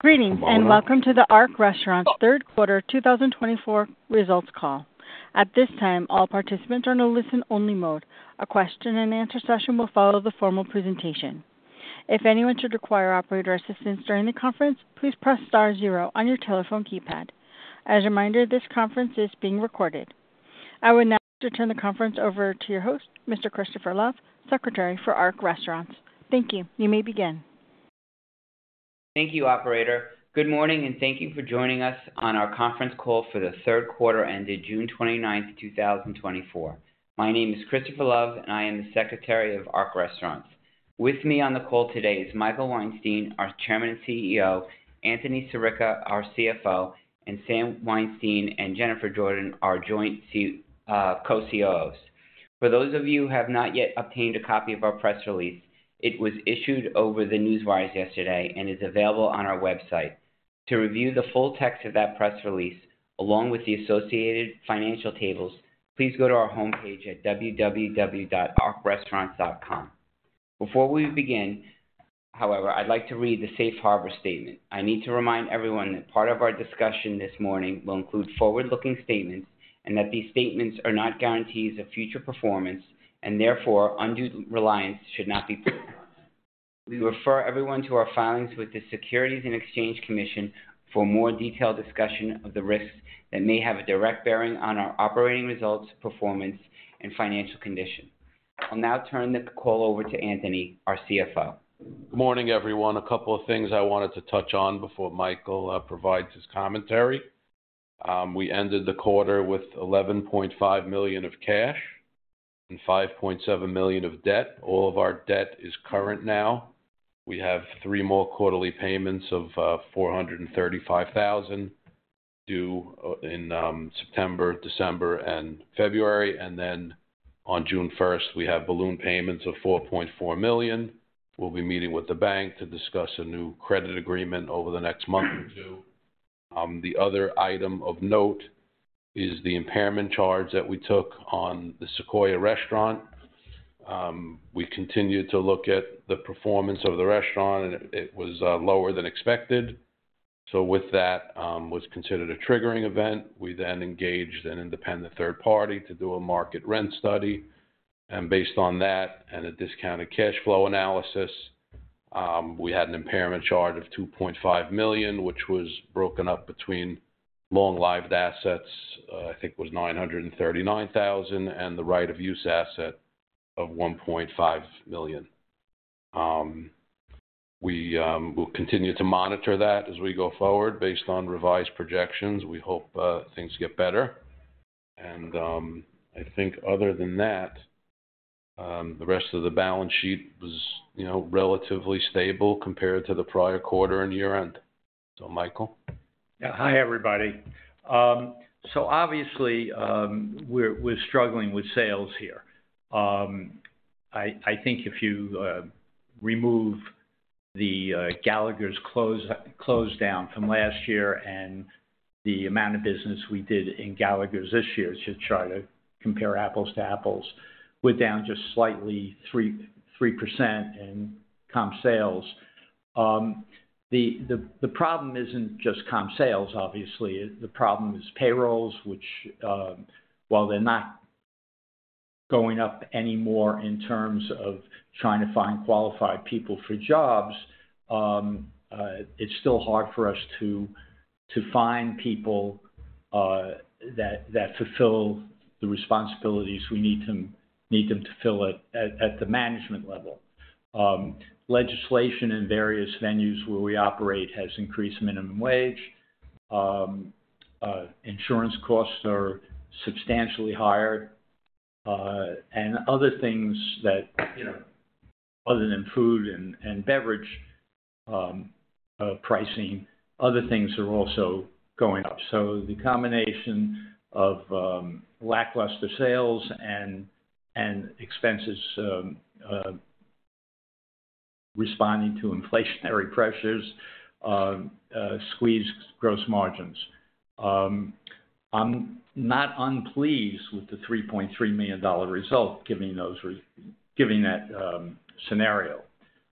Greetings, and welcome to the Ark Restaurants Third Quarter 2024 Results Call. At this time, all participants are in a listen-only mode. A question-and-answer session will follow the formal presentation. If anyone should require operator assistance during the conference, please press star zero on your telephone keypad. As a reminder, this conference is being recorded. I would now like to turn the conference over to your host, Mr. Christopher Love, Secretary for Ark Restaurants. Thank you. You may begin. Thank you, operator. Good morning, and thank you for joining us on our conference call for the third quarter ended June 29, 2024. My name is Christopher Love, and I am the Secretary of Ark Restaurants. With me on the call today is Michael Weinstein, our Chairman and CEO, Anthony Sirica, our CFO, and Sam Weinstein and Jennifer Jordan, our joint co-COOs. For those of you who have not yet obtained a copy of our press release, it was issued over the Newswire yesterday and is available on our website. To review the full text of that press release, along with the associated financial tables, please go to our homepage at www.arcrestaurants.com. Before we begin, however, I'd like to read the safe harbor statement. I need to remind everyone that part of our discussion this morning will include forward-looking statements and that these statements are not guarantees of future performance and therefore undue reliance should not be placed on them. We refer everyone to our filings with the Securities and Exchange Commission for more detailed discussion of the risks that may have a direct bearing on our operating results, performance, and financial condition. I'll now turn this call over to Anthony, our CFO. Good morning, everyone. A couple of things I wanted to touch on before Michael provides his commentary. We ended the quarter with $11.5 million of cash and $5.7 million of debt. All of our debt is current now. We have three more quarterly payments of $435,000, due in September, December, and February. And then on June first, we have balloon payments of $4.4 million. We'll be meeting with the bank to discuss a new credit agreement over the next month or two. The other item of note is the impairment charge that we took on the Sequoia restaurant. We continued to look at the performance of the restaurant, and it was lower than expected. So with that, was considered a triggering event. We then engaged an independent third party to do a market rent study, and based on that and a discounted cash flow analysis, we had an impairment charge of $2.5 million, which was broken up between long-lived assets, I think it was $939,000, and the right-of-use asset of $1.5 million. We will continue to monitor that as we go forward based on revised projections. We hope things get better. And I think other than that, the rest of the balance sheet was, you know, relatively stable compared to the prior quarter and year-end. So, Michael? Yeah. Hi, everybody. So obviously, we're struggling with sales here. I think if you remove the Gallagher's close down from last year and the amount of business we did in Gallagher's this year to try to compare apples to apples, we're down just slightly 3% in comp sales. The problem isn't just comp sales obviously. The problem is payrolls, which, while they're not going up anymore in terms of trying to find qualified people for jobs, it's still hard for us to find people that fulfill the responsibilities we need them to fill at the management level. Legislation in various venues where we operate has increased minimum wage. Insurance costs are substantially higher, and other things that, you know, other than food and beverage pricing, other things are also going up. So the combination of lackluster sales and expenses responding to inflationary pressures squeezed gross margins. I'm not unpleased with the $3.3 million result, giving that scenario.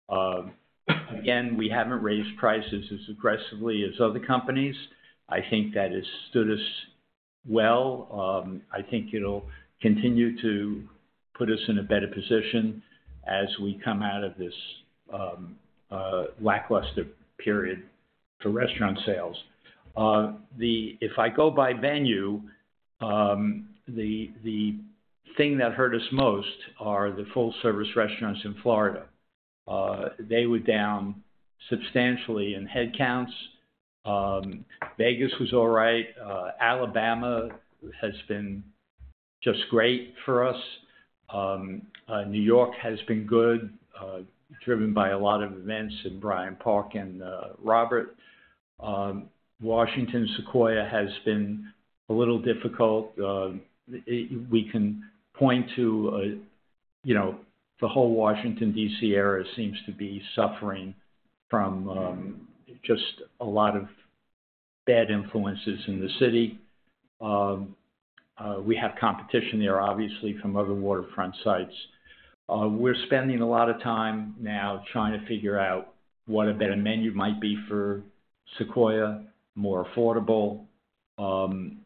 Again, we haven't raised prices as aggressively as other companies. I think that has stood us well. I think it'll continue to put us in a better position as we come out of this lackluster period for restaurant sales. If I go by venue, the thing that hurt us most are the full-service restaurants in Florida. They were down substantially in headcounts. Vegas was all right. Alabama has been just great for us. New York has been good, driven by a lot of events in Bryant Park and Robert. Washington, Sequoia has been a little difficult. We can point to, you know, the whole Washington, D.C. area seems to be suffering from just a lot of bad influences in the city. We have competition there, obviously, from other waterfront sites. We're spending a lot of time now trying to figure out what a better menu might be for Sequoia, more affordable. And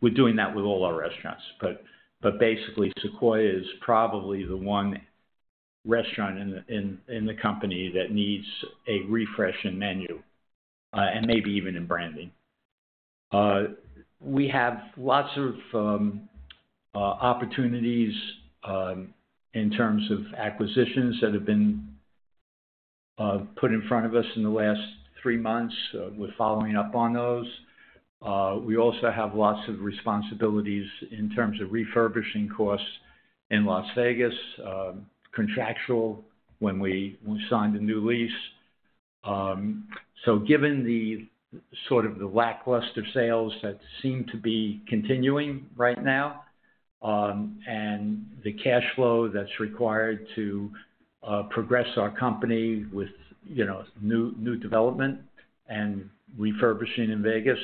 we're doing that with all our restaurants. But basically, Sequoia is probably the one restaurant in the company that needs a refresh in menu and maybe even in branding. We have lots of opportunities in terms of acquisitions that have been put in front of us in the last three months. We're following up on those. We also have lots of responsibilities in terms of refurbishing costs in Las Vegas, contractual when we signed a new lease. So given the sort of the lackluster sales that seem to be continuing right now, and the cash flow that's required to progress our company with, you know, new development and refurbishing in Vegas,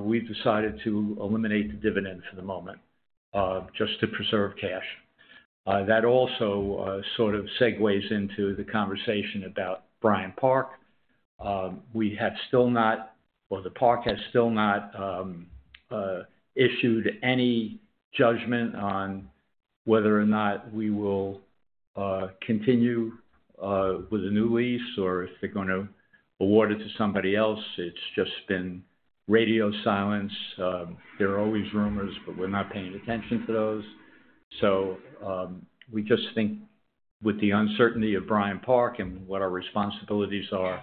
we've decided to eliminate the dividend for the moment, just to preserve cash. That also sort of segues into the conversation about Bryant Park. We have still not, or the park has still not, issued any judgment on whether or not we will continue with a new lease or if they're gonna award it to somebody else. It's just been radio silence. There are always rumors, but we're not paying attention to those. So, we just think with the uncertainty of Bryant Park and what our responsibilities are,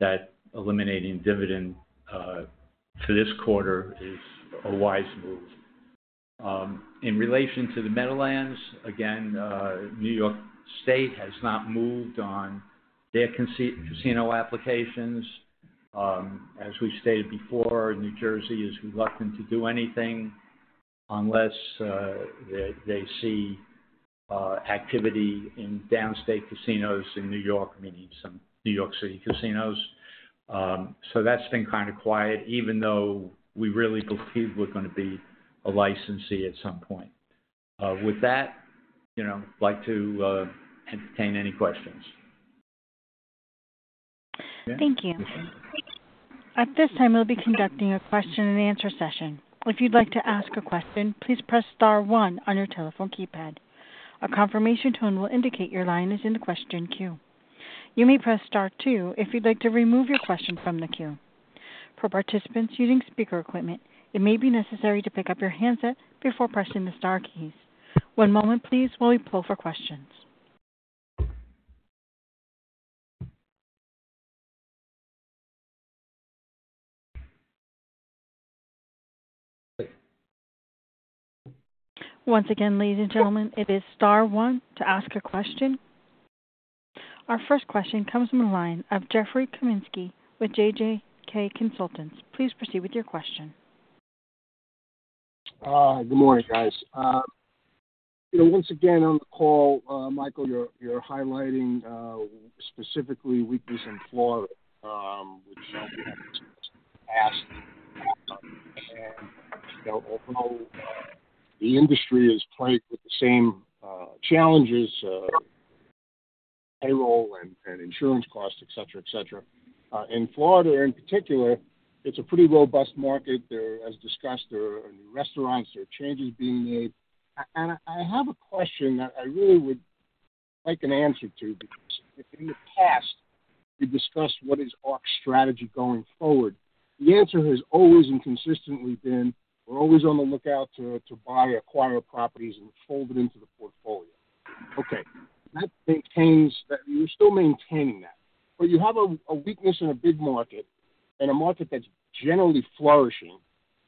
that eliminating dividend for this quarter is a wise move. In relation to the Meadowlands, again, New York State has not moved on their casino applications. As we've stated before, New Jersey is reluctant to do anything unless they see activity in downstate casinos in New York, meaning some New York City casinos. So that's been kind of quiet, even though we really believe we're gonna be a licensee at some point. With that, you know, I'd like to entertain any questions. Thank you. At this time, we'll be conducting a question-and-answer session. If you'd like to ask a question, please press star one on your telephone keypad. A confirmation tone will indicate your line is in the question queue. You may press star two if you'd like to remove your question from the queue. For participants using speaker equipment, it may be necessary to pick up your handset before pressing the star keys. One moment please while we pull for questions. Once again, ladies and gentlemen, it is star one to ask a question. Our first question comes from the line of Jeffrey Kaminsky with JJK Consultants. Please proceed with your question. Good morning, guys. You know, once again, on the call, Michael, you're highlighting specifically weakness in Florida, which I'll get to ask. And, you know, although the industry is plagued with the same challenges, payroll and insurance costs, et cetera, et cetera, in Florida, in particular, it's a pretty robust market. There, as discussed, there are new restaurants, there are changes being made. And I have a question that I really would like an answer to, because if in the past, you discussed what is Ark's strategy going forward, the answer has always and consistently been, "We're always on the lookout to buy, acquire properties, and fold it into the portfolio." Okay, that maintains that. You still maintain that. But you have a weakness in a big market, in a market that's generally flourishing.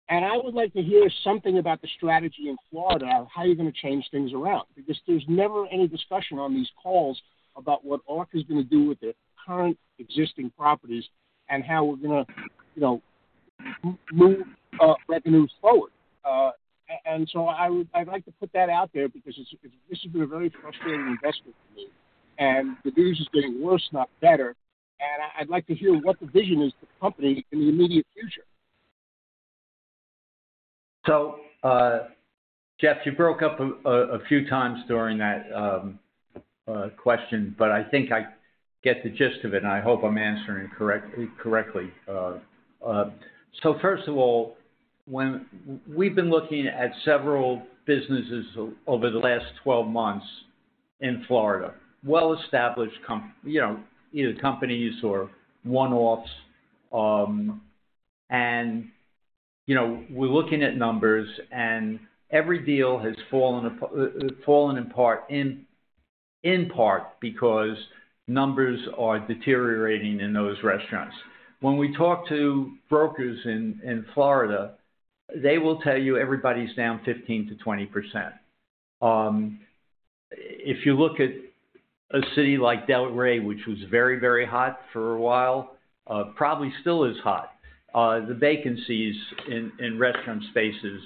I would like to hear something about the strategy in Florida on how you're going to change things around, because there's never any discussion on these calls about what Ark is going to do with the current existing properties and how we're gonna, you know, move revenues forward. And so I'd like to put that out there because this, this has been a very frustrating investment for me, and the news is getting worse, not better. And I'd like to hear what the vision is for the company in the immediate future. So, Jeff, you broke up a few times during that question, but I think I get the gist of it, and I hope I'm answering it correctly. So first of all, we've been looking at several businesses over the last 12 months in Florida, well-established comp, you know, either companies or one-offs. And, you know, we're looking at numbers, and every deal has fallen apart, in part because numbers are deteriorating in those restaurants. When we talk to brokers in Florida, they will tell you everybody's down 15%-20%. If you look at a city like Delray, which was very, very hot for a while, probably still is hot, the vacancies in restaurant spaces-...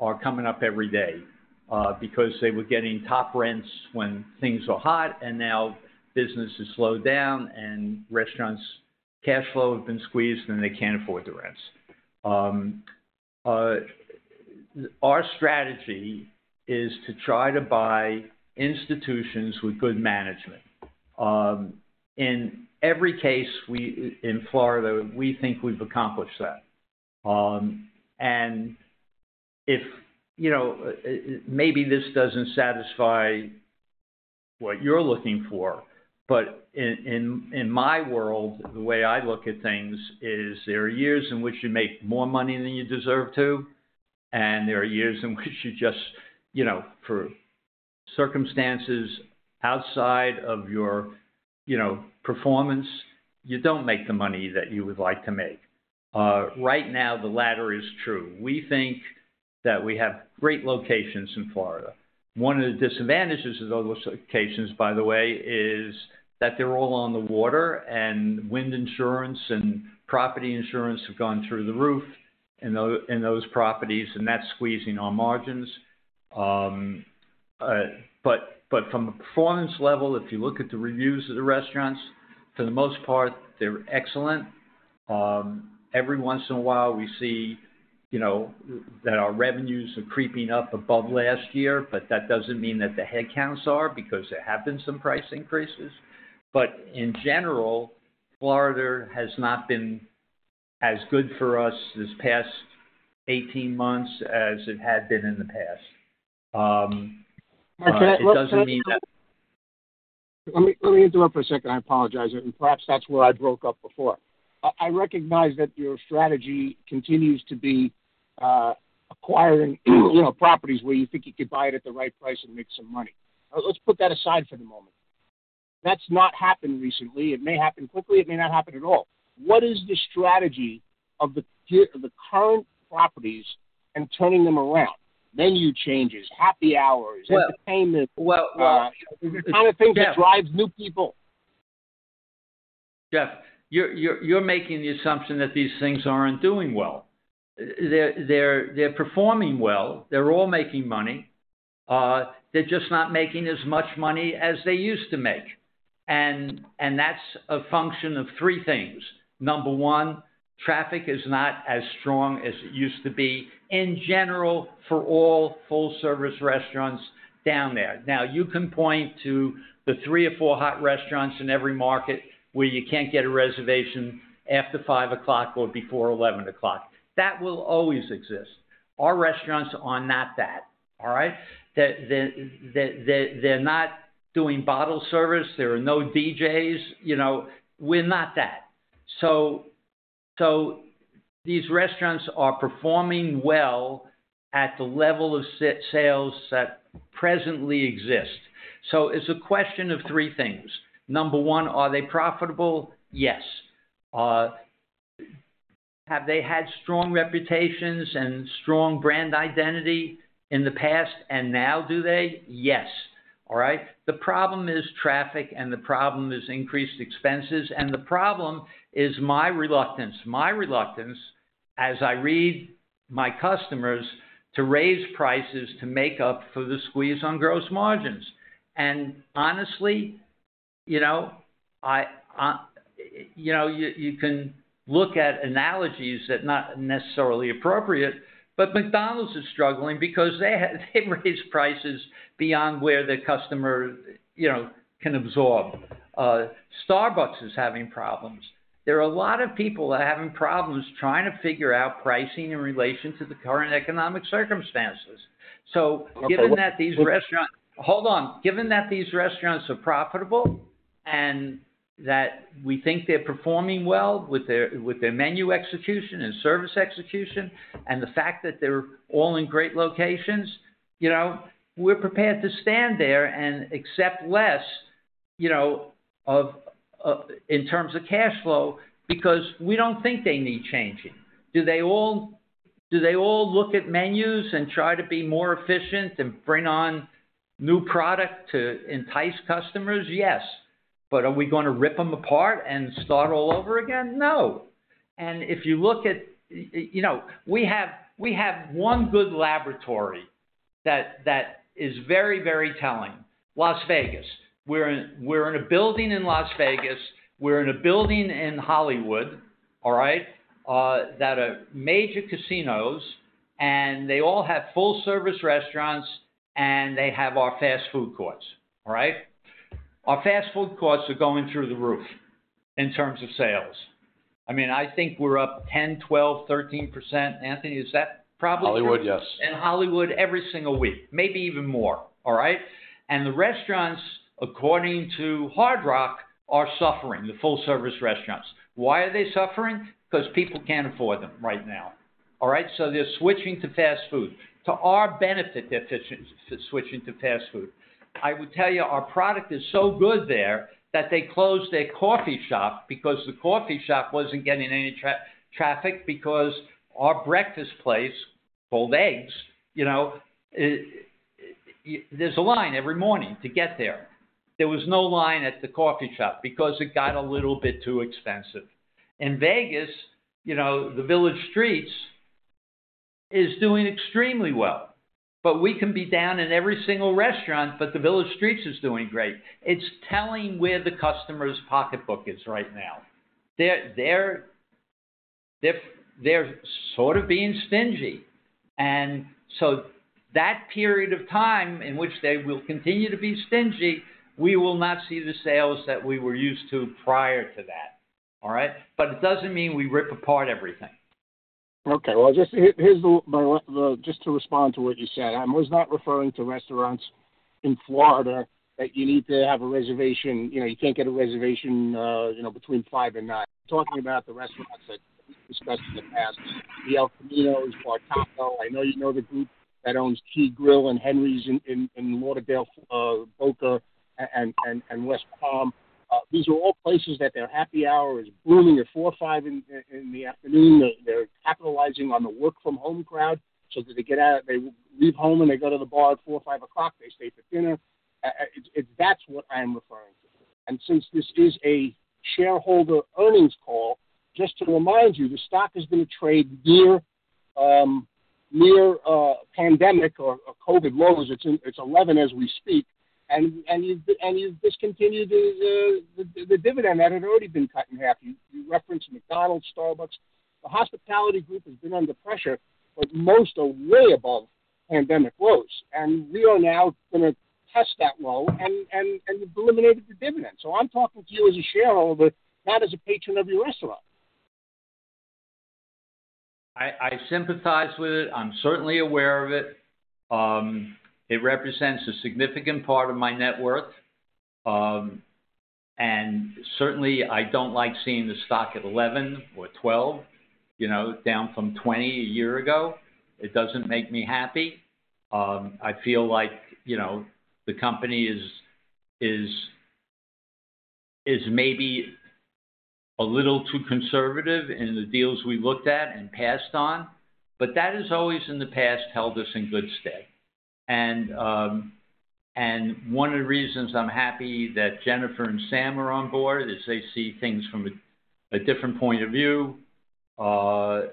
are coming up every day, because they were getting top rents when things were hot, and now business has slowed down, and restaurants' cash flow have been squeezed, and they can't afford the rents. Our strategy is to try to buy institutions with good management. In every case, in Florida, we think we've accomplished that. And if, you know, maybe this doesn't satisfy what you're looking for, but in, in, in my world, the way I look at things is there are years in which you make more money than you deserve to, and there are years in which you just, you know, through circumstances outside of your, you know, performance, you don't make the money that you would like to make. Right now, the latter is true. We think that we have great locations in Florida. One of the disadvantages of those locations, by the way, is that they're all on the water, and wind insurance and property insurance have gone through the roof in those properties, and that's squeezing our margins. But from a performance level, if you look at the reviews of the restaurants, for the most part, they're excellent. Every once in a while, we see, you know, that our revenues are creeping up above last year, but that doesn't mean that the headcounts are, because there have been some price increases. But in general, Florida has not been as good for us this past 18 months as it had been in the past. It doesn't mean that- Let me interrupt for a second. I apologize, and perhaps that's where I broke up before. I recognize that your strategy continues to be acquiring, you know, properties where you think you could buy it at the right price and make some money. Let's put that aside for the moment. That's not happened recently. It may happen quickly. It may not happen at all. What is the strategy of the current properties and turning them around? Menu changes, happy hours, entertainment- Well, well, The kind of thing that drives new people. Jeff, you're making the assumption that these things aren't doing well. They're performing well. They're all making money. They're just not making as much money as they used to make, and that's a function of three things. Number one, traffic is not as strong as it used to be in general for all full-service restaurants down there. Now, you can point to the three or four hot restaurants in every market where you can't get a reservation after five o'clock or before eleven o'clock. That will always exist. Our restaurants are not that, all right? The, they're not doing bottle service. There are no DJs, you know. We're not that. So these restaurants are performing well at the level of sales that presently exist. So it's a question of three things. Number one, are they profitable? Yes. Have they had strong reputations and strong brand identity in the past, and now do they? Yes. All right? The problem is traffic, and the problem is increased expenses, and the problem is my reluctance. My reluctance as I read my customers to raise prices to make up for the squeeze on gross margins. And honestly, you know, you know, you can look at analogies that not necessarily appropriate, but McDonald's is struggling because they raised prices beyond where the customer, you know, can absorb. Starbucks is having problems. There are a lot of people that are having problems trying to figure out pricing in relation to the current economic circumstances. So given that these restaurants- Well- Hold on. Given that these restaurants are profitable and that we think they're performing well with their, with their menu execution and service execution, and the fact that they're all in great locations, you know, we're prepared to stand there and accept less, you know, of, in terms of cash flow, because we don't think they need changing. Do they all, do they all look at menus and try to be more efficient and bring on new product to entice customers? Yes. But are we gonna rip them apart and start all over again? No. And if you look at... You know, we have, we have one good laboratory that, that is very, very telling: Las Vegas. We're in, we're in a building in Las Vegas, we're in a building in Hollywood, all right? that are major casinos, and they all have full-service restaurants, and they have our fast-food courts, all right? Our fast-food courts are going through the roof in terms of sales. I mean, I think we're up 10%, 12%, 13%. Anthony, is that probably true? Hollywood, yes. In Hollywood, every single week, maybe even more, all right? And the restaurants, according to Hard Rock, are suffering, the full-service restaurants. Why are they suffering? Because people can't afford them right now, all right? So they're switching to fast food. To our benefit, they're switching to fast food. I would tell you, our product is so good there that they closed their coffee shop because the coffee shop wasn't getting any traffic, because our breakfast place, called Eggs, you know, There's a line every morning to get there. There was no line at the coffee shop because it got a little bit too expensive. In Vegas, you know, the Village Streets is doing extremely well, but we can be down in every single restaurant, but the Village Streets is doing great. It's telling where the customer's pocketbook is right now. They're sort of being stingy, and so that period of time in which they will continue to be stingy, we will not see the sales that we were used to prior to that. All right? But it doesn't mean we rip apart everything. Okay, well, just to respond to what you said, I was not referring to restaurants in Florida that you need to have a reservation. You know, you can't get a reservation, you know, between five and nine. I'm talking about the restaurants that we've discussed in the past, the El Camino, Bartaco. I know you know the group that owns Ke'e Grill and Henry's in Lauderdale, Boca and West Palm. These are all places that their happy hour is booming at four or five in the afternoon. They're capitalizing on the work from home crowd, so that they get out, they leave home, and they go to the bar at four or five o'clock, they stay for dinner. That's what I'm referring to. Since this is a shareholder earnings call, just to remind you, the stock has been traded near pandemic or COVID lows. It's 11 as we speak, and you've discontinued the dividend that had already been cut in half. You referenced McDonald's, Starbucks. The hospitality group has been under pressure, but most are way above pandemic lows, and we are now gonna test that low, and you've eliminated the dividend. So I'm talking to you as a shareholder, not as a patron of your restaurant. I sympathize with it. I'm certainly aware of it. It represents a significant part of my net worth. And certainly, I don't like seeing the stock at 11 or 12, you know, down from 20 a year ago. It doesn't make me happy. I feel like, you know, the company is maybe a little too conservative in the deals we looked at and passed on, but that has always in the past held us in good stead. And one of the reasons I'm happy that Jennifer and Sam are on board is they see things from a different point of view. And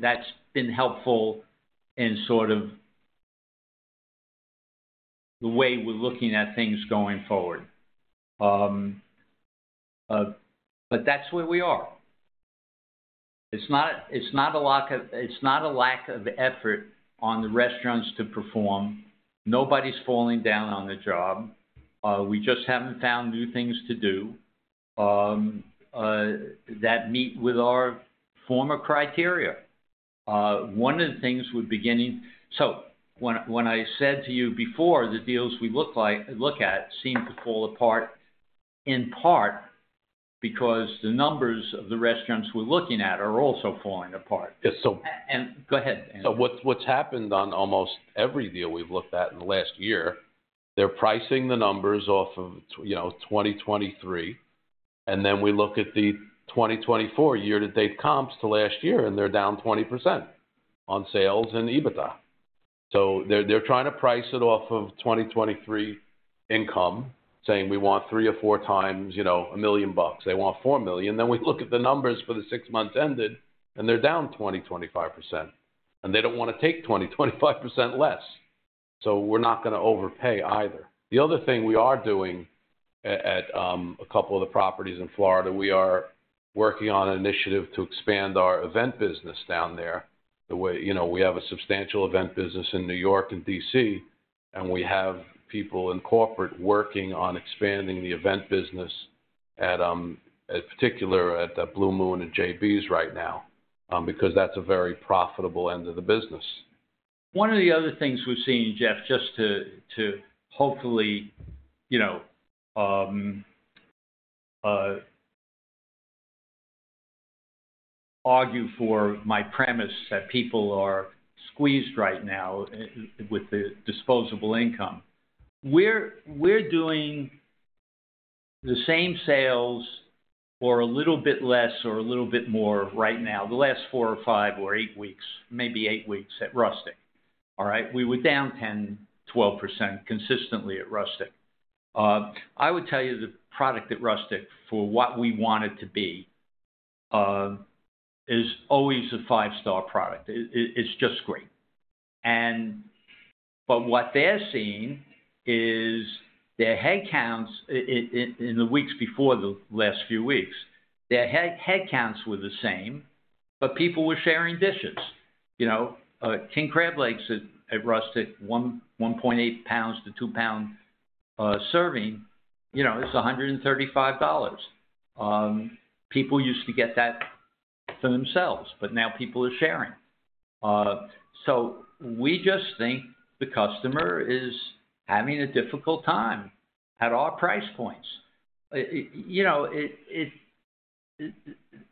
that's been helpful in sort of the way we're looking at things going forward. But that's where we are. It's not a lack of effort on the restaurants to perform. Nobody's falling down on the job. We just haven't found new things to do that meet with our former criteria. One of the things we're beginning. So when I said to you before, the deals we look at seem to fall apart, in part, because the numbers of the restaurants we're looking at are also falling apart. Yes, so- And go ahead. So what's happened on almost every deal we've looked at in the last year, they're pricing the numbers off of, you know, 2023, and then we look at the 2024 year-to-date comps to last year, and they're down 20% on sales and EBITDA. So they're trying to price it off of 2023 income, saying: We want 3 or 4 times, you know, $1 million. They want $4 million. Then we look at the numbers for the six months ended, and they're down 20%-25%, and they don't want to take 20%-25% less. So we're not gonna overpay either. The other thing we are doing at a couple of the properties in Florida, we are working on an initiative to expand our event business down there. You know, we have a substantial event business in New York and D.C., and we have people in corporate working on expanding the event business at, particularly at the Blue Moon and JB's right now, because that's a very profitable end of the business. One of the other things we've seen, Jeff, just to hopefully, you know, argue for my premise that people are squeezed right now with the disposable income. We're doing the same sales or a little bit less or a little bit more right now, the last 4 or 5 or 8 weeks, maybe eight weeks at Rustic. All right? We were down 10-12% consistently at Rustic. I would tell you the product at Rustic, for what we want it to be, is always a five-star product. It's just great. But what they're seeing is their headcounts in the weeks before the last few weeks, their headcounts were the same, but people were sharing dishes. You know, king crab legs at Rustic, 1.8 pounds to 2-pound serving, you know, it's $135. People used to get that for themselves, but now people are sharing. So we just think the customer is having a difficult time at our price points. You know, it –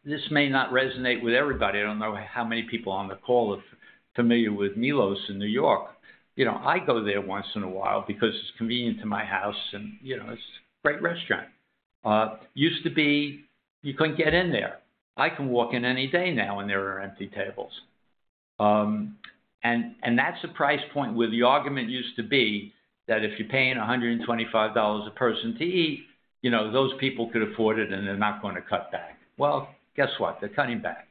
this may not resonate with everybody. I don't know how many people on the call are familiar with Milos in New York. You know, I go there once in a while because it's convenient to my house, and, you know, it's a great restaurant. Used to be, you couldn't get in there. I can walk in any day now, and there are empty tables. And that's the price point where the argument used to be, that if you're paying $125 a person to eat, you know, those people could afford it, and they're not gonna cut back. Well, guess what? They're cutting back.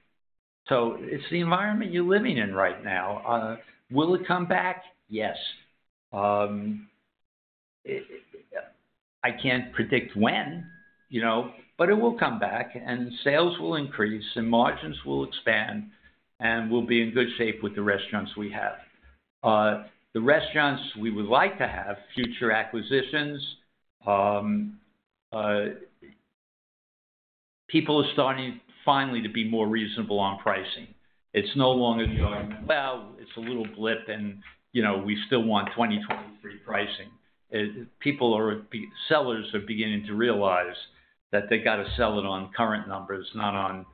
So it's the environment you're living in right now. Will it come back? Yes. I can't predict when, you know, but it will come back, and sales will increase, and margins will expand, and we'll be in good shape with the restaurants we have. The restaurants we would like to have, future acquisitions, people are starting finally to be more reasonable on pricing. It's no longer going, "Well, it's a little blip, and, you know, we still want 2023 pricing." People are beginning to realize that they've got to sell it on current numbers, not on,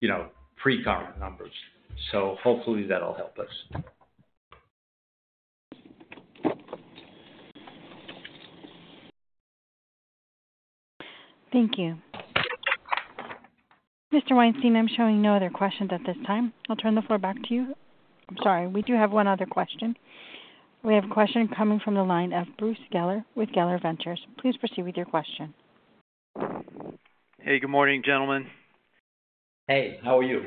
you know, pre-current numbers. So hopefully, that'll help us. Thank you. Mr. Weinstein, I'm showing no other questions at this time. I'll turn the floor back to you. I'm sorry. We do have one other question. We have a question coming from the line of Bruce Geller with Geller Ventures. Please proceed with your question. Hey, good morning, gentlemen. Hey, how are you?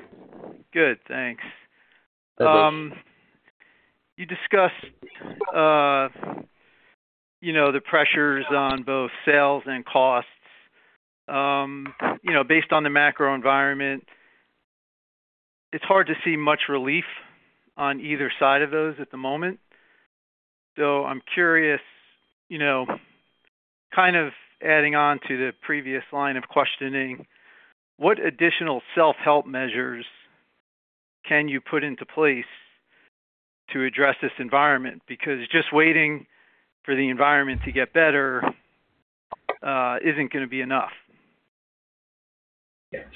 Good, thanks. Okay. You discussed, you know, the pressures on both sales and costs. You know, based on the macro environment, it's hard to see much relief on either side of those at the moment. So I'm curious, you know, kind of adding on to the previous line of questioning, what additional self-help measures can you put into place to address this environment? Because just waiting for the environment to get better, isn't gonna be enough.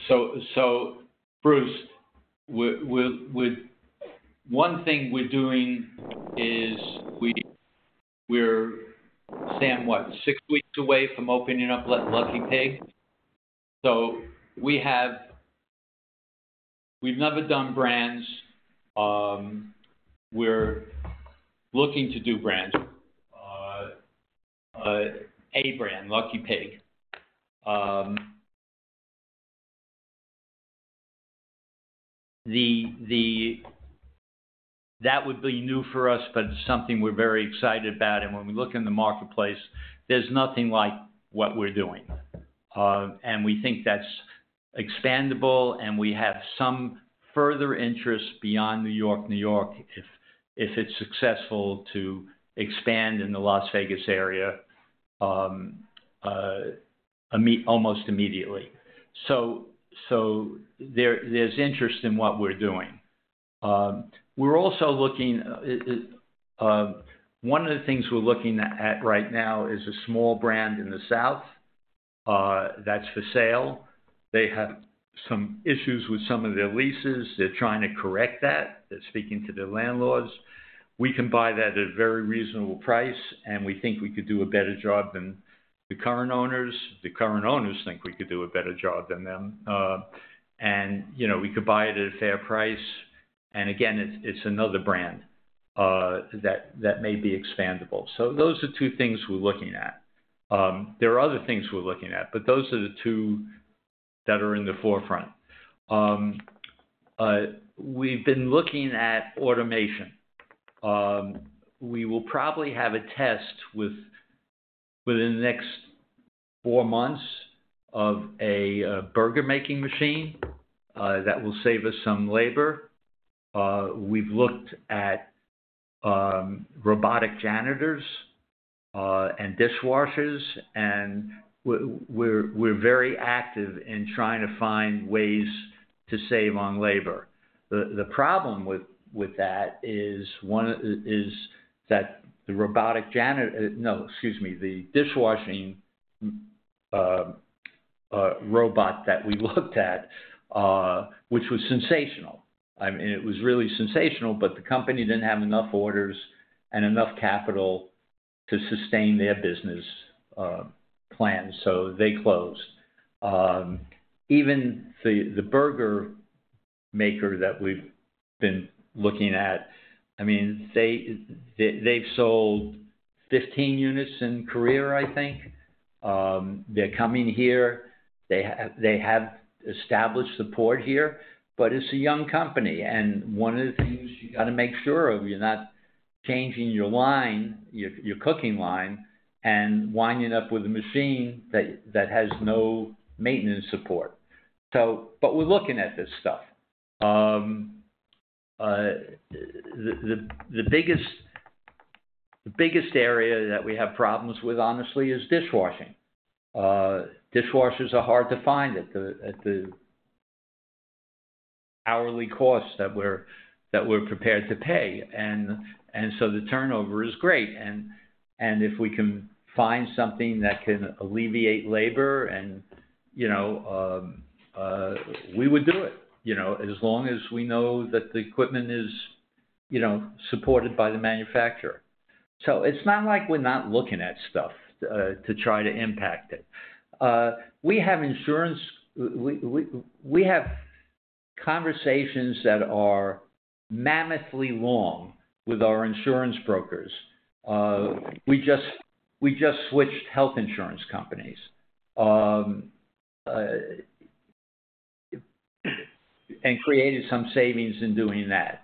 So, Bruce, one thing we're doing is we're, some, what? Six weeks away from opening up Lucky Pickle. So we've never done brands. We're looking to do brands, a brand, Lucky Pickle. That would be new for us, but something we're very excited about. And when we look in the marketplace, there's nothing like what we're doing. And we think that's expandable, and we have some further interest beyond New York-New York, if it's successful, to expand in the Las Vegas area, almost immediately. So there, there's interest in what we're doing. We're also looking, one of the things we're looking at right now is a small brand in the South, that's for sale. They have some issues with some of their leases. They're trying to correct that. They're speaking to their landlords. We can buy that at a very reasonable price, and we think we could do a better job than the current owners. The current owners think we could do a better job than them. And, you know, we could buy it at a fair price. And again, it's another brand that may be expandable. So those are two things we're looking at. There are other things we're looking at, but those are the two that are in the forefront. We've been looking at automation. We will probably have a test within the next four months of a burger-making machine that will save us some labor. We've looked at robotic janitors and dishwashers, and we're very active in trying to find ways to save on labor. The problem with that is, one of is that the robotic janitor—no, excuse me, the dishwashing robot that we looked at, which was sensational. I mean, it was really sensational, but the company didn't have enough orders and enough capital to sustain their business plan, so they closed. Even the burger maker that we've been looking at, I mean, they've sold 15 units in Korea, I think. They're coming here. They have established support here, but it's a young company, and one of the things you got to make sure of, you're not changing your line, your cooking line, and winding up with a machine that has no maintenance support. But we're looking at this stuff. The biggest area that we have problems with, honestly, is dishwashing. Dishwashers are hard to find at the hourly cost that we're prepared to pay, and so the turnover is great. And if we can find something that can alleviate labor and, you know, we would do it, you know, as long as we know that the equipment is, you know, supported by the manufacturer. So it's not like we're not looking at stuff to try to impact it. We have insurance. We have conversations that are mammothly long with our insurance brokers. We just switched health insurance companies and created some savings in doing that.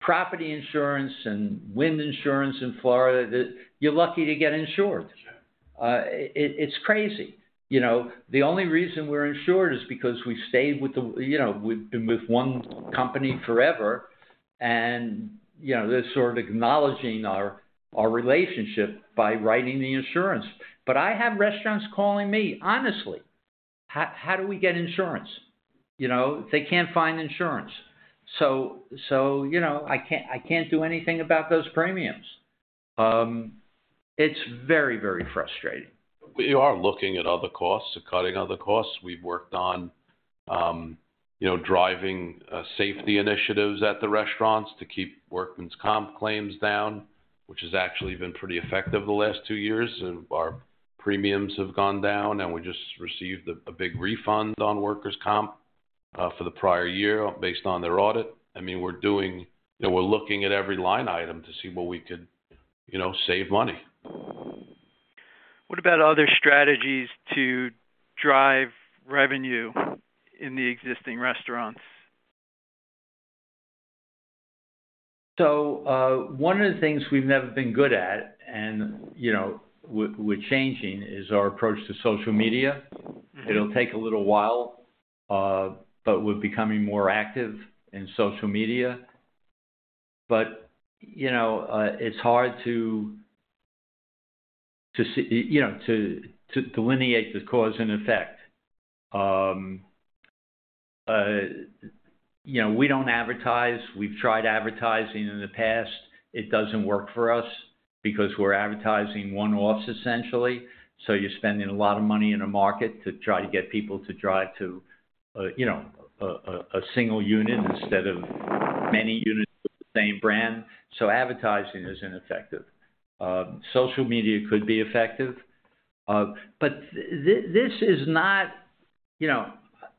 Property insurance and wind insurance in Florida, that you're lucky to get insured. Sure. It's crazy. You know, the only reason we're insured is because we stayed with the, you know, we've been with one company forever, and, you know, they're sort of acknowledging our relationship by writing the insurance. But I have restaurants calling me, honestly, "How do we get insurance?" You know, they can't find insurance. So, you know, I can't do anything about those premiums. It's very, very frustrating. We are looking at other costs to cutting other costs. We've worked on, you know, driving safety initiatives at the restaurants to keep workers' comp claims down, which has actually been pretty effective the last two years, and our premiums have gone down, and we just received a big refund on workers' comp for the prior year based on their audit. I mean, we're looking at every line item to see where we could, you know, save money. What about other strategies to drive revenue in the existing restaurants? So, one of the things we've never been good at, and, you know, we're changing, is our approach to social media. Mm-hmm. It'll take a little while, but we're becoming more active in social media. But, you know, it's hard to see. You know, to delineate the cause and effect. You know, we don't advertise. We've tried advertising in the past. It doesn't work for us because we're advertising one-offs, essentially. So you're spending a lot of money in a market to try to get people to drive to, you know, a single unit instead of many units with the same brand. So advertising is ineffective. Social media could be effective, but this, this is not, you know,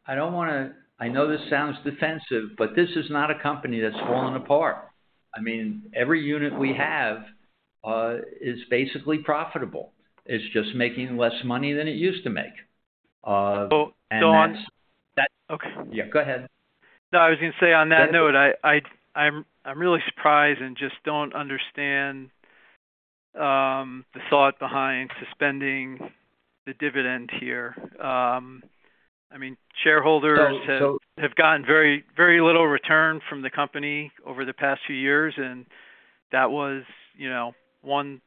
I don't wanna—I know this sounds defensive, but this is not a company that's falling apart. I mean, every unit we have is basically profitable. It's just making less money than it used to make, and that- So, Don? That- Okay. Yeah, go ahead. No, I was gonna say, on that note, I'm really surprised and just don't understand the thought behind suspending the dividend here. I mean, shareholders- So, so- have gotten very, very little return from the company over the past few years, and that was, you know, one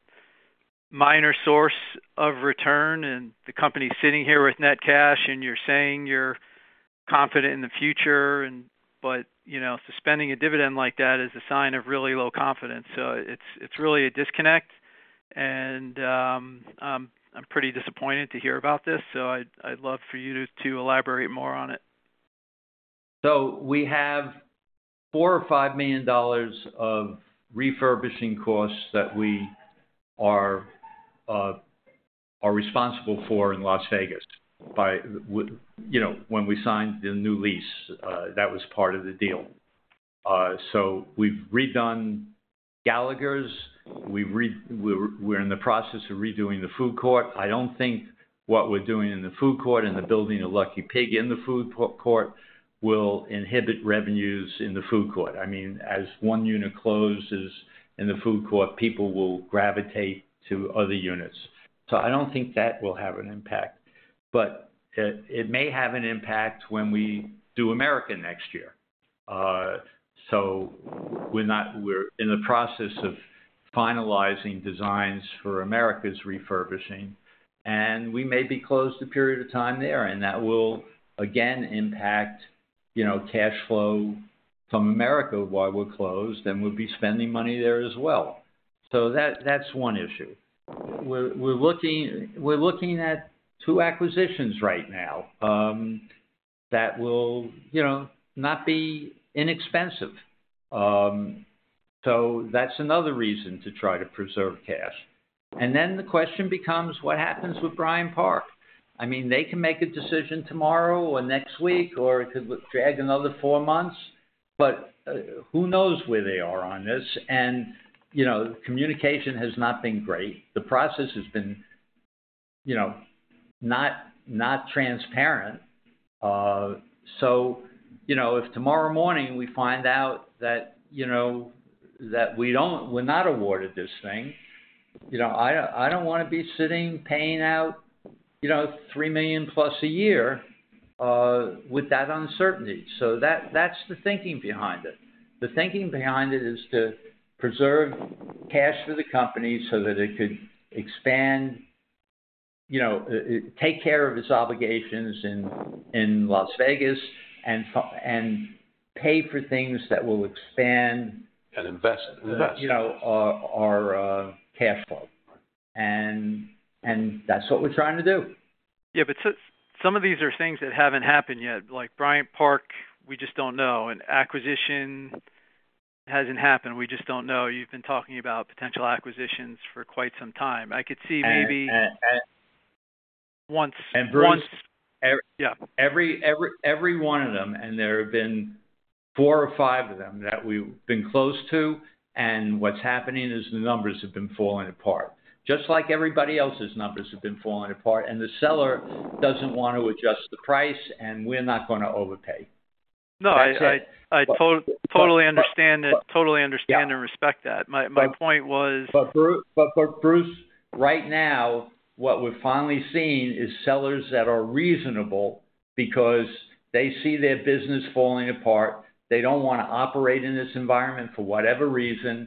minor source of return, and the company sitting here with net cash, and you're saying you're confident in the future and... But, you know, suspending a dividend like that is a sign of really low confidence, so it's, it's really a disconnect, and, I'm, I'm pretty disappointed to hear about this, so I'd, I'd love for you to, to elaborate more on it. So we have $4-$5 million of refurbishing costs that we are, are responsible for in Las Vegas by you know, when we signed the new lease, that was part of the deal. So we've redone Gallagher's. We're, we're in the process of redoing the food court. I don't think what we're doing in the food court and the building of Lucky Pig in the food court will inhibit revenues in the food court. I mean, as one unit closes in the food court, people will gravitate to other units. So I don't think that will have an impact, but it, it may have an impact when we do America next year. So we're in the process of finalizing designs for America's refurbishing, and we may be closed a period of time there, and that will again impact, you know, cash flow from America while we're closed, and we'll be spending money there as well. So that's one issue. We're looking at two acquisitions right now, that will, you know, not be inexpensive. So that's another reason to try to preserve cash. And then the question becomes: What happens with Bryant Park? I mean, they can make a decision tomorrow or next week, or it could drag another four months, but who knows where they are on this? And, you know, communication has not been great. The process has been, you know, not transparent. So, you know, if tomorrow morning we find out that, you know, that we're not awarded this thing, you know, I don't wanna be sitting, paying out, you know, $3 million plus a year, with that uncertainty. So, that's the thinking behind it. The thinking behind it is to preserve cash for the company so that it could expand, you know, take care of its obligations in Las Vegas, and pay for things that will expand- Invest, invest. You know, our cash flow... and that's what we're trying to do. Yeah, but so some of these are things that haven't happened yet, like Bryant Park, we just don't know, and acquisition hasn't happened. We just don't know. You've been talking about potential acquisitions for quite some time. I could see maybe- And, and- Once, once. And Bruce- Yeah. Every one of them, and there have been 4 or 5 of them that we've been close to, and what's happening is the numbers have been falling apart, just like everybody else's numbers have been falling apart, and the seller doesn't want to adjust the price, and we're not gonna overpay. No, I- That's it. I totally understand that. But, but- Totally understand- Yeah... and respect that. My, my point was- But Bruce, right now, what we're finally seeing is sellers that are reasonable because they see their business falling apart. They don't wanna operate in this environment for whatever reason,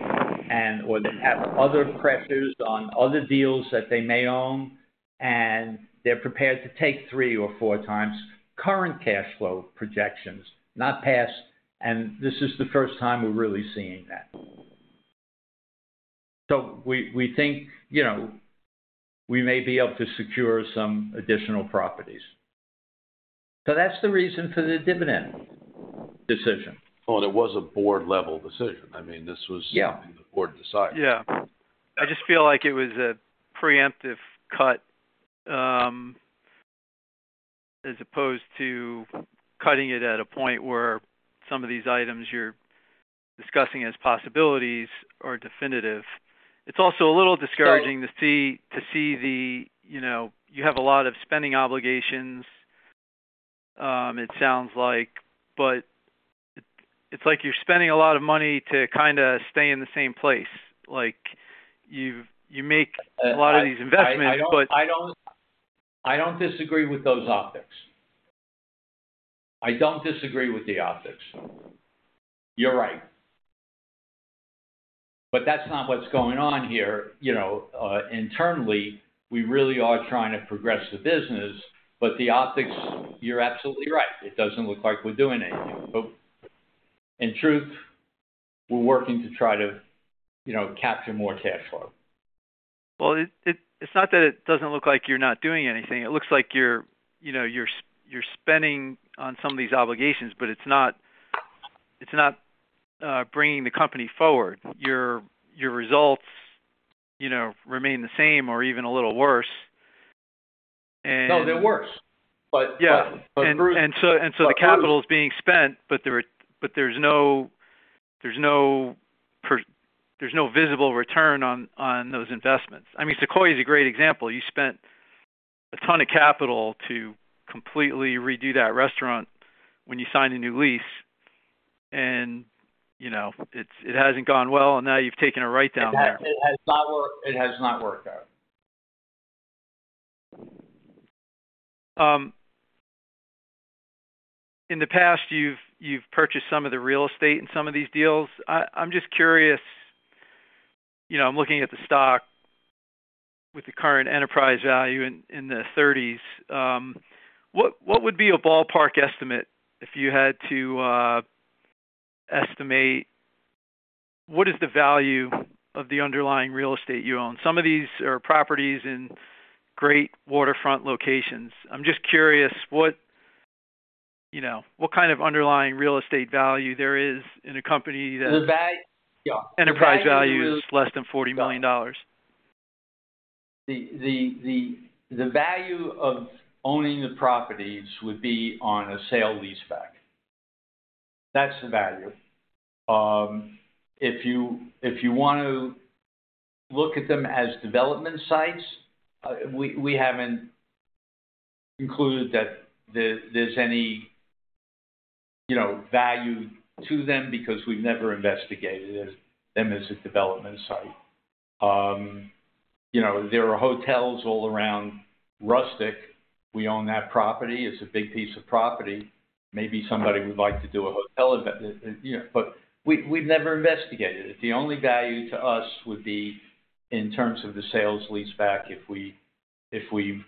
and, or they have other pressures on other deals that they may own, and they're prepared to take 3 or 4 times current cash flow projections, not past. And this is the first time we're really seeing that. So we think, you know, we may be able to secure some additional properties. So that's the reason for the dividend decision. Oh, there was a board-level decision. I mean, this was- Yeah ...the board decided. Yeah. I just feel like it was a preemptive cut, as opposed to cutting it at a point where some of these items you're discussing as possibilities are definitive. It's also a little discouraging- So- to see the, you know, you have a lot of spending obligations, it sounds like, but it's like you're spending a lot of money to kind of stay in the same place. Like, you've, you make a lot of these investments, but- I don't disagree with those optics. I don't disagree with the optics. You're right. But that's not what's going on here. You know, internally, we really are trying to progress the business, but the optics, you're absolutely right, it doesn't look like we're doing anything. But in truth, we're working to try to, you know, capture more cash flow. Well, it's not that it doesn't look like you're not doing anything. It looks like you're, you know, you're spending on some of these obligations, but it's not bringing the company forward. Your results, you know, remain the same or even a little worse and- No, they're worse. But- Yeah. But, Bruce- So the capital is being spent, but there's no visible return on those investments. I mean, Sequoia is a great example. You spent a ton of capital to completely redo that restaurant when you signed a new lease, and, you know, it hasn't gone well, and now you've taken a write-down there. It has not worked. It has not worked out. In the past, you've purchased some of the real estate in some of these deals. I'm just curious, you know, I'm looking at the stock with the current enterprise value in the thirties. What would be a ballpark estimate if you had to estimate what is the value of the underlying real estate you own? Some of these are properties in great waterfront locations. I'm just curious, what, you know, what kind of underlying real estate value there is in a company that- Yeah. Enterprise value is less than $40 million. The value of owning the properties would be on a sale-leaseback. That's the value. If you, if you want to look at them as development sites, we, we haven't concluded that there, there's any, you know, value to them because we've never investigated it, them as a development site. You know, there are hotels all around Rustic. We own that property. It's a big piece of property. Maybe somebody would like to do a hotel, but, you know, but we, we've never investigated it. The only value to us would be in terms of the sale-leaseback, if we, if we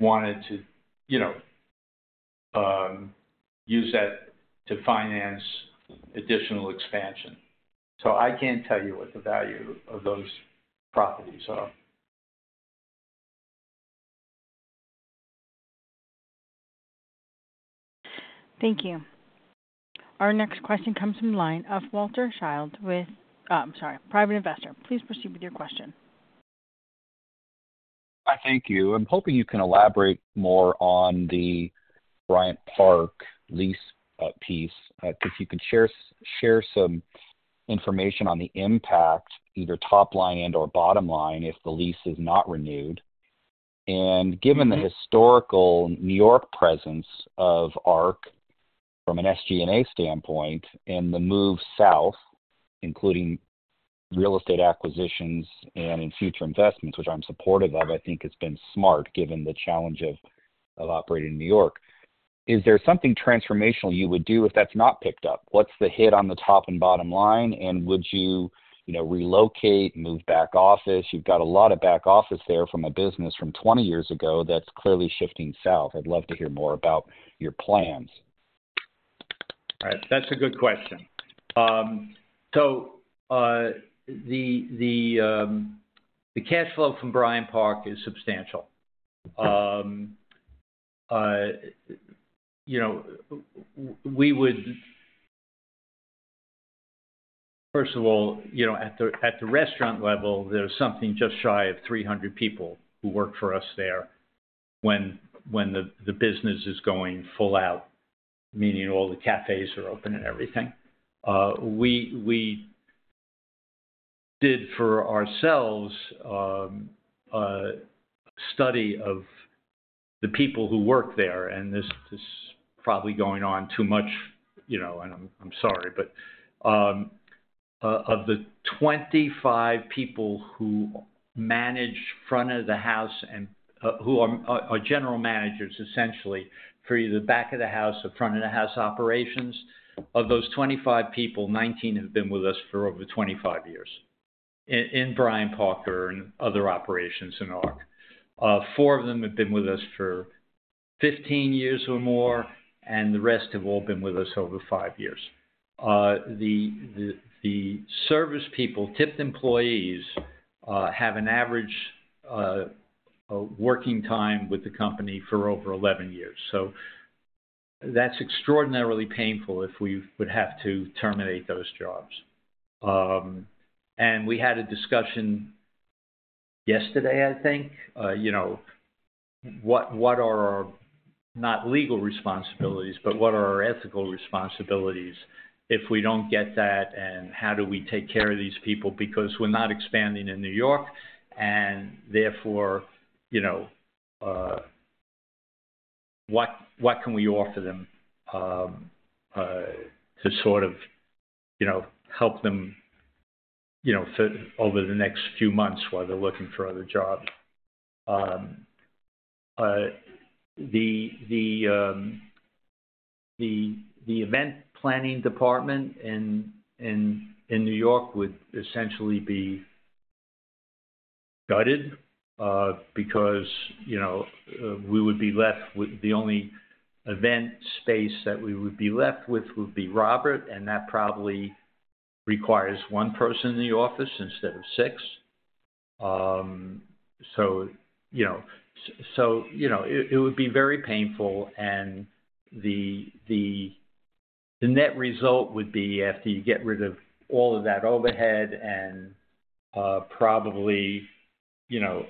wanted to, you know, use that to finance additional expansion. So I can't tell you what the value of those properties are. Thank you. Our next question comes from the line of Walter Childs with... I'm sorry, private investor. Please proceed with your question. Hi, thank you. I'm hoping you can elaborate more on the Bryant Park lease piece. If you can share some information on the impact, either top line and/or bottom line, if the lease is not renewed? Mm-hmm. Given the historical New York presence of Ark from an SG&A standpoint and the move south, including real estate acquisitions and in future investments, which I'm supportive of, I think it's been smart, given the challenge of operating in New York. Is there something transformational you would do if that's not picked up? What's the hit on the top and bottom line, and would you, you know, relocate, move back office? You've got a lot of back office there from a business from 20 years ago that's clearly shifting south. I'd love to hear more about your plans.... All right, that's a good question. So, the cash flow from Bryant Park is substantial. You know, First of all, you know, at the restaurant level, there's something just shy of 300 people who work for us there when the business is going full out, meaning all the cafés are open and everything. We did for ourselves a study of the people who work there, and this is probably going on too much, you know, and I'm sorry. But of the 25 people who manage front of the house and who are general managers, essentially, for either the back of the house or front of the house operations, of those 25 people, 19 have been with us for over 25 years, in Bryant Park or in other operations in ARC. Four of them have been with us for 15 years or more, and the rest have all been with us over five years. The service people, tipped employees, have an average working time with the company for over 11 years, so that's extraordinarily painful if we would have to terminate those jobs. And we had a discussion yesterday, I think, you know, what are our not legal responsibilities, but what are our ethical responsibilities if we don't get that, and how do we take care of these people? Because we're not expanding in New York, and therefore, you know, what can we offer them, to sort of, you know, help them, you know, for over the next few months while they're looking for other jobs? The event planning department in New York would essentially be gutted, because, you know, we would be left with the only event space that we would be left with would be Robert, and that probably requires one person in the office instead of six. So, you know, so, you know, it would be very painful, and the net result would be, after you get rid of all of that overhead and, probably, you know,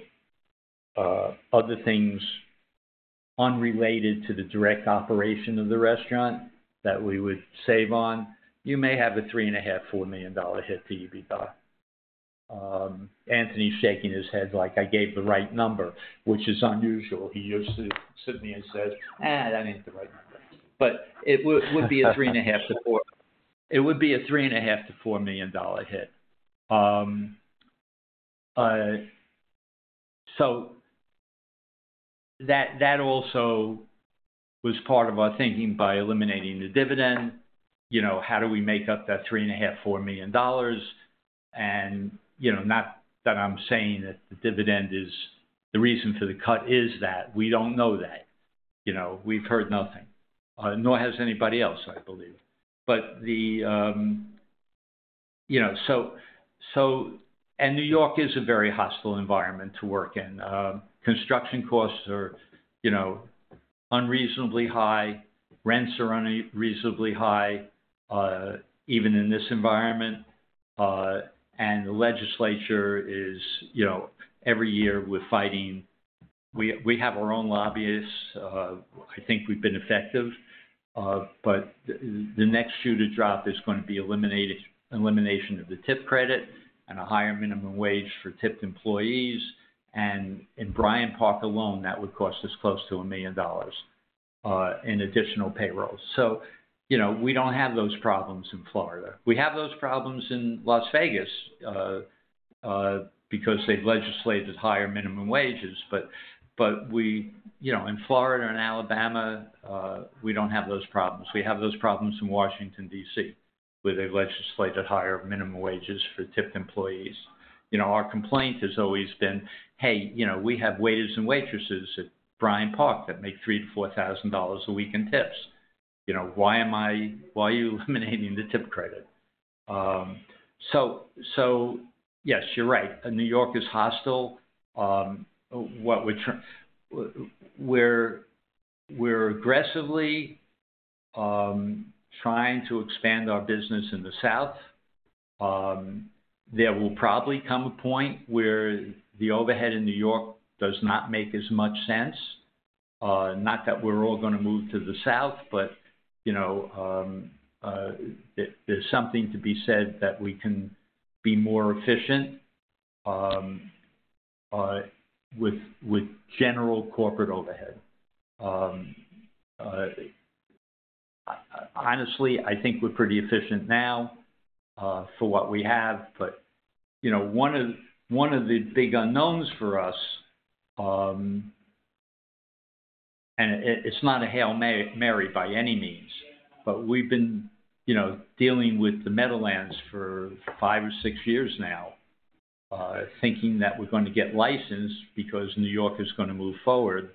other things unrelated to the direct operation of the restaurant that we would save on, you may have a $3.5-$4 million hit to EBITDA. Anthony's shaking his head like I gave the right number, which is unusual. He usually sits at me and says, "Eh, that ain't the right number." But it would be a $3.5-$4. It would be a $3.5-$4 million hit. So that also was part of our thinking by eliminating the dividend, you know, how do we make up that $3.5-$4 million? You know, not that I'm saying that the dividend is the reason for the cut is that, we don't know that. You know, we've heard nothing, nor has anybody else, I believe. But the... You know, New York is a very hostile environment to work in. Construction costs are, you know, unreasonably high, rents are unreasonably high, even in this environment, and the legislature is, you know, every year we're fighting. We have our own lobbyists. I think we've been effective. But the next shoe to drop is going to be elimination of the tip credit and a higher minimum wage for tipped employees. And in Bryant Park alone, that would cost us close to $1 million in additional payroll. So, you know, we don't have those problems in Florida. We have those problems in Las Vegas because they've legislated higher minimum wages. But we... You know, in Florida and Alabama, we don't have those problems. We have those problems in Washington, D.C., where they've legislated higher minimum wages for tipped employees. You know, our complaint has always been, "Hey, you know, we have waiters and waitresses at Bryant Park that make $3,000-$4,000 a week in tips. You know, why are you eliminating the tip credit?" So yes, you're right, New York is hostile. What we're aggressively trying to expand our business in the South. There will probably come a point where the overhead in New York does not make as much sense. Not that we're all gonna move to the South, but, you know, there, there's something to be said that we can be more efficient, with, with general corporate overhead. Honestly, I think we're pretty efficient now, for what we have, but, you know, one of, one of the big unknowns for us. And it, it's not a Hail Mary by any means, but we've been, you know, dealing with the Meadowlands for 5 or 6 years now, thinking that we're going to get licensed because New York is gonna move forward.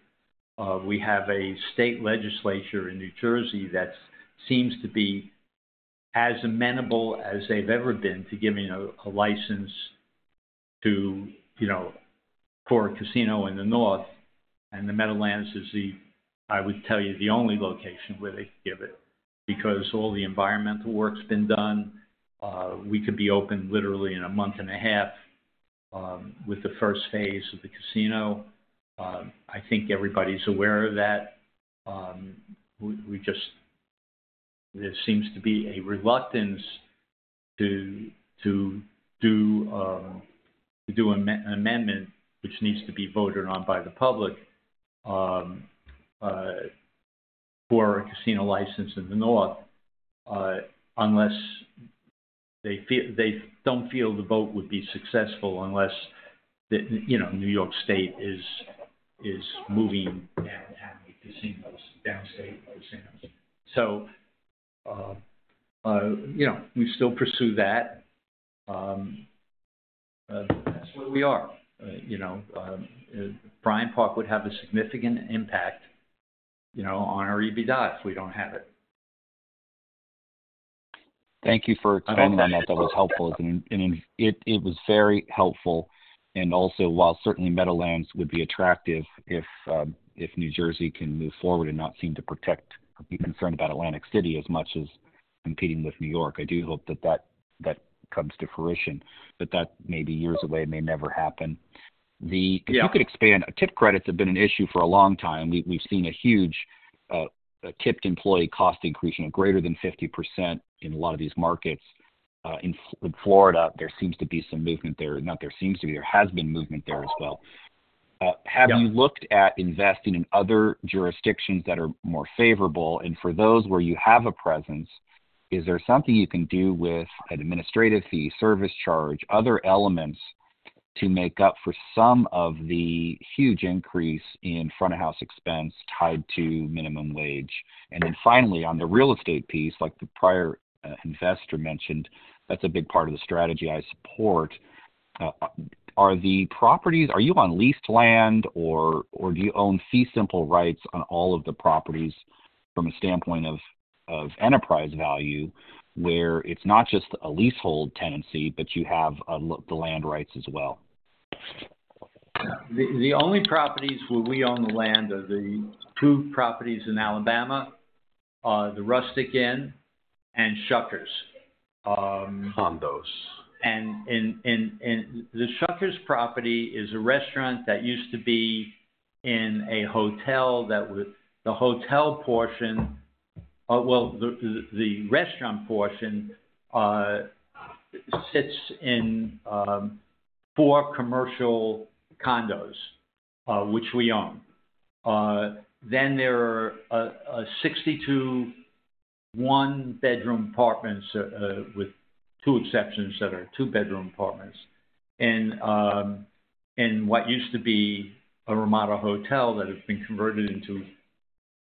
We have a state legislature in New Jersey that seems to be as amenable as they've ever been to giving a license to, you know, for a casino in the north, and the Meadowlands is the, I would tell you, the only location where they could give it, because all the environmental work's been done. We could be open literally in a month and a half with the first phase of the casino. I think everybody's aware of that. We just, there seems to be a reluctance to do an amendment which needs to be voted on by the public for a casino license in the north, unless they don't feel the vote would be successful unless the, you know, New York State is moving down having casinos, downstate casinos. So, you know, we still pursue that. That's where we are. You know, Bryant Park would have a significant impact, you know, on our EBITDA if we don't have it. Thank you for commenting on that. That was helpful. And it was very helpful. And also, while certainly Meadowlands would be attractive if New Jersey can move forward and not seem to protect, be concerned about Atlantic City as much as competing with New York, I do hope that that comes to fruition. But that may be years away, it may never happen. The- Yeah. If you could expand, tip credits have been an issue for a long time. We've seen a huge tipped employee cost increase, you know, greater than 50% in a lot of these markets. In Florida, there seems to be some movement there. Not there seems to be, there has been movement there as well. Yeah. Have you looked at investing in other jurisdictions that are more favorable? And for those where you have a presence, is there something you can do with an administrative fee, service charge, other elements to make up for some of the huge increase in front of house expense tied to minimum wage? And then finally, on the real estate piece, like the prior investor mentioned, that's a big part of the strategy I support. Are you on leased land or do you own fee simple rights on all of the properties from a standpoint of enterprise value, where it's not just a leasehold tenancy, but you have the land rights as well? Yeah. The only properties where we own the land are the two properties in Alabama, the Rustic Inn and Shuckers. Condos. The Shuckers property is a restaurant that used to be in a hotel that would. The hotel portion, well, the restaurant portion sits in four commercial condos, which we own. Then there are 62 one-bedroom apartments with two exceptions that are two-bedroom apartments. And what used to be a Ramada Hotel that has been converted into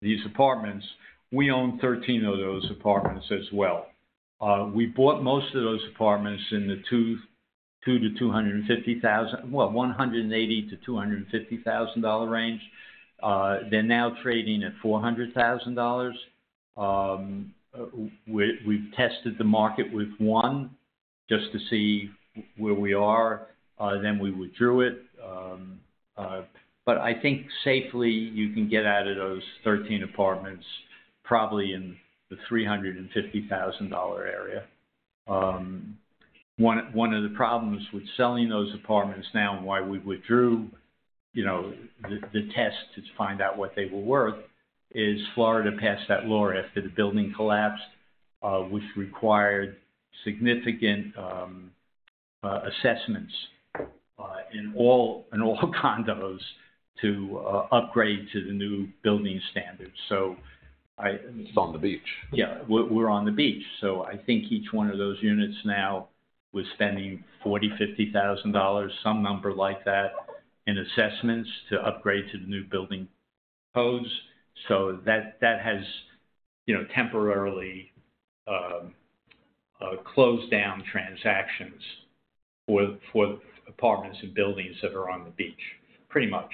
these apartments, we own 13 of those apartments as well. We bought most of those apartments in the $180,000-$250,000 dollar range. They're now trading at $400,000. We've tested the market with one just to see where we are, then we withdrew it. But I think safely, you can get out of those 13 apartments, probably in the $350,000 area. One of the problems with selling those apartments now and why we withdrew, you know, the test to find out what they were worth, is Florida passed that law after the building collapsed, which required significant assessments in all condos to upgrade to the new building standards. So I- It's on the beach. Yeah, we're, we're on the beach, so I think each one of those units now, we're spending $40,000-$50,000, some number like that, in assessments to upgrade to the new building codes. So that, that has, you know, temporarily closed down transactions for the, for the apartments and buildings that are on the beach, pretty much.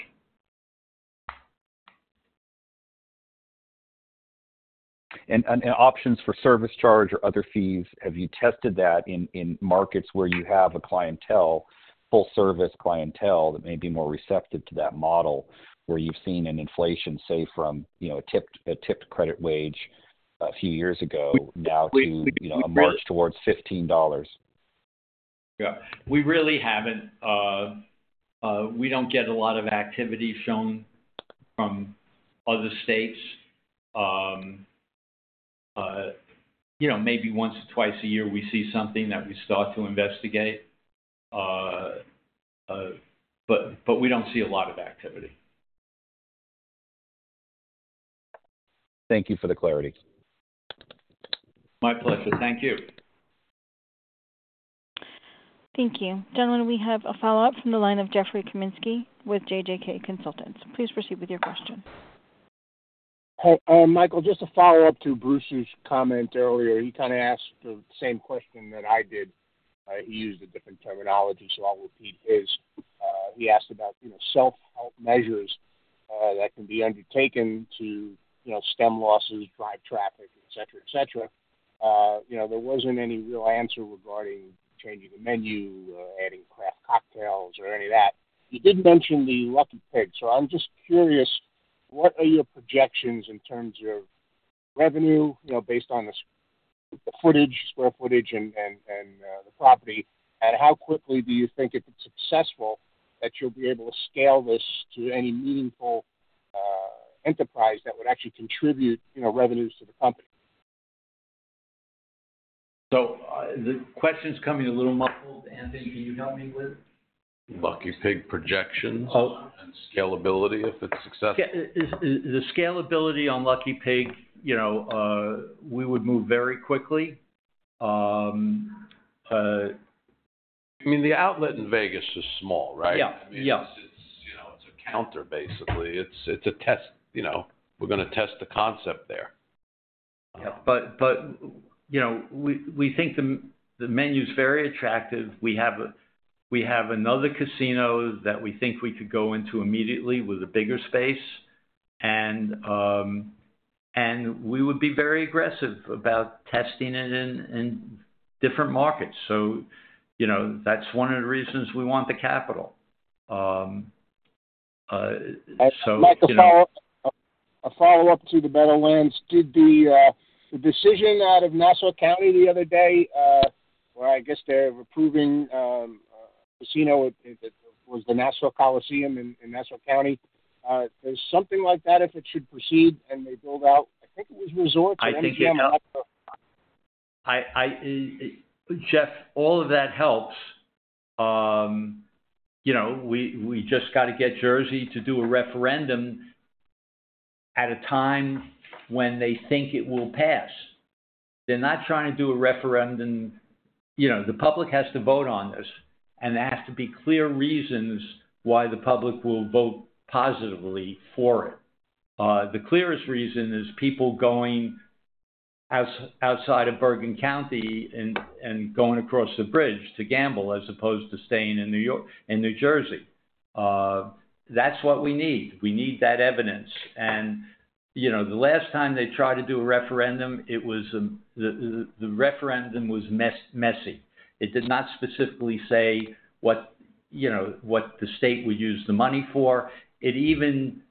Any options for service charge or other fees, have you tested that in markets where you have a clientele, full service clientele, that may be more receptive to that model, where you've seen an inflation, say, from, you know, a tipped credit wage a few years ago now to, you know, a march towards $15? Yeah. We really haven't. We don't get a lot of activity shown from other states. You know, maybe once or twice a year, we see something that we start to investigate, but we don't see a lot of activity. Thank you for the clarity. My pleasure. Thank you. Thank you. Gentlemen, we have a follow-up from the line of Jeffrey Kaminsky with JJK Consultants. Please proceed with your question. Hey, Michael, just to follow up to Bruce's comment earlier, he kind of asked the same question that I did. He used a different terminology, so I'll repeat his. He asked about, you know, self-help measures that can be undertaken to, you know, stem losses, drive traffic, et cetera, et cetera. You know, there wasn't any real answer regarding changing the menu or adding craft cocktails or any of that. You did mention the Lucky Pig, so I'm just curious, what are your projections in terms of revenue, you know, based on the square footage and the property? And how quickly do you think, if it's successful, that you'll be able to scale this to any meaningful enterprise that would actually contribute, you know, revenues to the company? So, the question's coming a little muffled. Anthony, can you help me with it? Lucky Pig projections- Oh. and scalability, if it's successful. Yeah. The scalability on Lucky Pig, you know, we would move very quickly. I mean, the outlet in Vegas is small, right? Yeah. Yeah. I mean, it's, you know, it's a counter, basically. It's a test, you know, we're gonna test the concept there. Yeah, but you know, we think the menu is very attractive. We have another casino that we think we could go into immediately with a bigger space, and we would be very aggressive about testing it in different markets. So, you know, that's one of the reasons we want the capital. So, you know- Michael, follow up. A follow-up to the Meadowlands. Did the decision out of Nassau County the other day, where I guess they're approving a casino at the Nassau Coliseum in Nassau County? Does something like that, if it should proceed and they build out—I think it was Resorts? I think it helped. I... Jeff, all of that helps. You know, we just got to get Jersey to do a referendum at a time when they think it will pass. They're not trying to do a referendum, you know, the public has to vote on this, and there has to be clear reasons why the public will vote positively for it. The clearest reason is people going outside of Bergen County and going across the bridge to gamble, as opposed to staying in New York, in New Jersey. That's what we need. We need that evidence. And, you know, the last time they tried to do a referendum, it was messy. It did not specifically say what, you know, what the state would use the money for. It even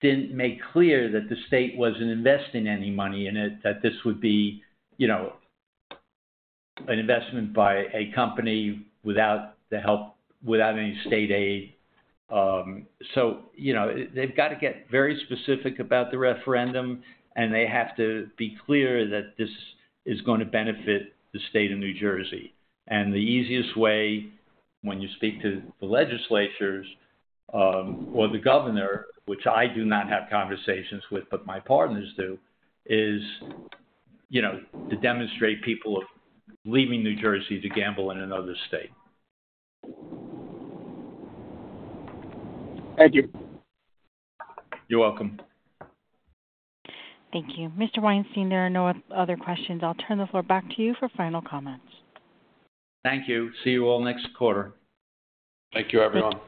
didn't make clear that the state wasn't investing any money in it, that this would be, you know, an investment by a company without the help, without any state aid. So, you know, they've got to get very specific about the referendum, and they have to be clear that this is going to benefit the state of New Jersey. The easiest way, when you speak to the legislators, or the governor, which I do not have conversations with, but my partners do, is, you know, to demonstrate people leaving New Jersey to gamble in another state. Thank you. You're welcome. Thank you. Mr. Weinstein, there are no other questions. I'll turn the floor back to you for final comments. Thank you. See you all next quarter. Thank you, everyone.